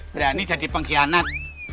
berani jadi pengkhianat